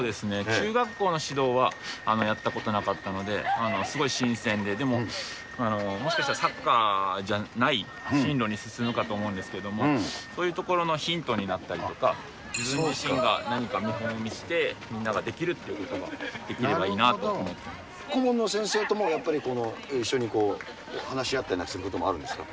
中学校の指導はやったことなかったので、すごい新鮮で、でももしかしたらサッカーじゃない進路に進むかと思うんですけれども、そういうところのヒントになったりとか、自分自身が何か見本を見せて、みんなができるということができ顧問の先生とも一緒にこう、話し合ったりすることもあるんですか。